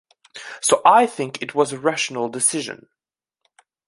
So I think it was a rational decision.